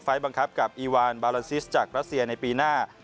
บังคับกับอีวานบาลาซิสจากรัสเซียในปีหน้า